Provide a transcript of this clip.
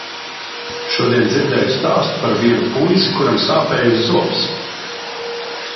Šodien dzirdēju stāstu par vienu puisi, kuram sāpējis zobs.